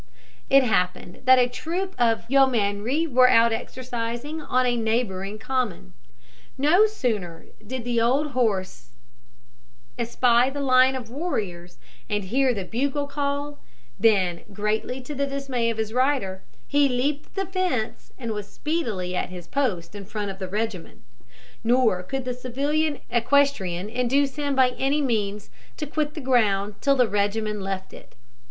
It happened that a troop of yeomanry were out exercising on a neighbouring common. No sooner did the old horse espy the line of warriors, and hear the bugle call, than, greatly to the dismay of his rider, he leaped the fence and was speedily at his post in front of the regiment; nor could the civilian equestrian induce him by any means to quit the ground till the regiment left it.